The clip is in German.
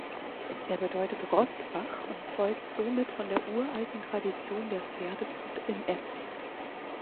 Er bedeutet "Roßbach" und zeugt somit von der uralten Tradition der Pferdezucht in Ebbs.